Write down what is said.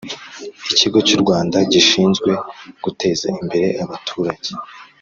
Ikigo cy u Rwanda gishinzwe guteza imbere abaturage